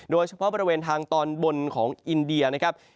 โดยเฉพาะบริเวณทางตอนบนของอินเดียนะครับ